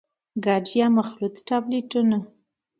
ګډ يا مخلوط ټابليټونه: